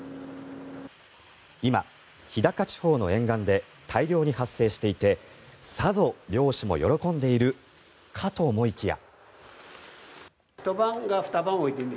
今、日高地方の沿岸で大量に発生していてさぞ漁師も喜んでいるかと思いきや。